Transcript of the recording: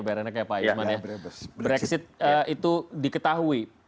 brexit itu diketahui